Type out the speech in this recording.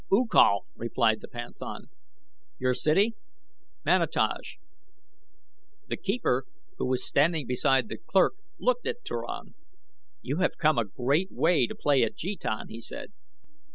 "U Kal," replied the panthan. "Your city?" "Manataj." The keeper, who was standing beside the clerk, looked at Turan. "You have come a great way to play at jetan," he said.